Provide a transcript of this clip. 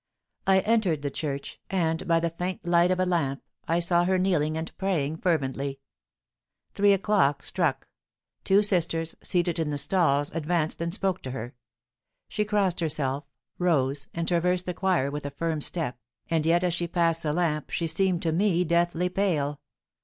I entered the church, and, by the faint light of a lamp, I saw her kneeling and praying fervently. Three o'clock struck; two sisters, seated in the stalls, advanced and spoke to her; she crossed herself, rose, and traversed the choir with a firm step, and yet as she passed the lamp she seemed to me deathly pale.